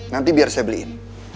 nanti biar saya beliin